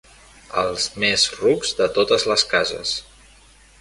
Els més rucs de totes les cases.